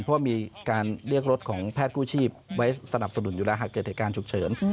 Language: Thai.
เพราะว่ามีการเรียกรถของแพทย์กู้ชีพไว้สนับสนุนอยู่แล้วหากเกิดเหตุการณ์ฉุกเฉิน